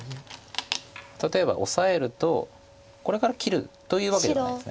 例えばオサえるとこれから切るというわけではないです。